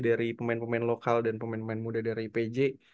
dari pemain pemain lokal dan pemain pemain muda dari ipj